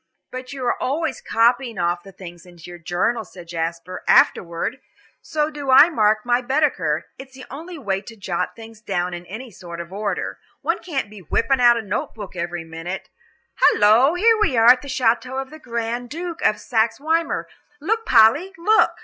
"But you are always copying off the things into your journal," said Jasper, "afterward. So do I mark my Baedeker; it's the only way to jot things down in any sort of order. One can't be whipping out a note book every minute. Halloo, here we are at the château of the Grand Duke of Saxe Weimar. Look, Polly! look!"